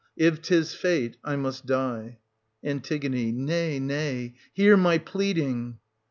If 'tis fate, I must die. An. Nay, nay, — hear my pleading